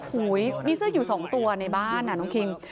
โอ้โฮมีเสื้ออยู่๒ตัวในบ้านน่ะน้องคิม